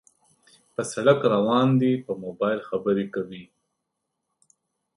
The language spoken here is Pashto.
پر سړک روان دى په موبایل خبرې کوي